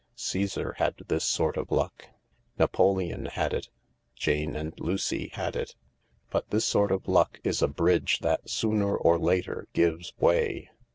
Caesar had this sort of luck; Napoleon had it ; Jane and Lucy had it. But this sort of luck is a bridge that sooner or later gives way.